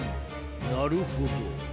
なるほど。